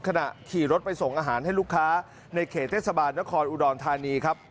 ขณะขี่รถไปส่งอาหารให้ลูกค้าในเขตเทศบาลนครอุดรธานีครับ